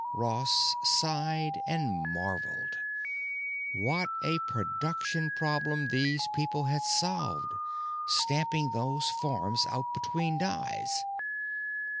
Ross sighed and marveled: What a production problem these people had solved, stamping those forms out between dies.